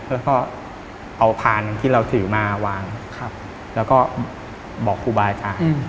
แล้วก็เอาพานที่เราถือมาวางแล้วก็บอกครูบาอาจารย์